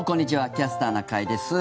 「キャスターな会」です。